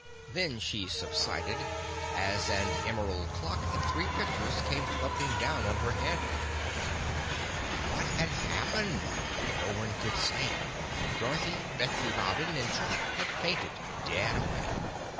Then she subsided, as an emerald clock and three pictures came thumping down on her head. What had happened? No one could say. Dorothy, Betsy Bobbin and Trot had fainted dead away.